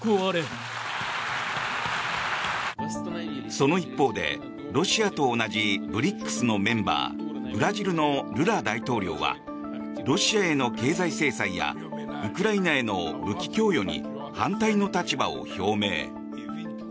その一方でロシアと同じＢＲＩＣＳのメンバーブラジルのルラ大統領はロシアへの経済制裁やウクライナへの武器供与に反対の立場を表明。